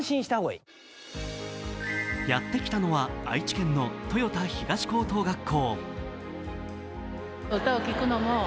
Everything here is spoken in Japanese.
やって来たのは愛知県の豊田東高等学校。